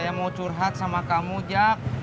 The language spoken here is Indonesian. saya mau curhat sama kamu jak